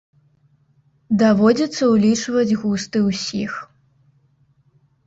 Даводзіцца ўлічваць густы ўсіх.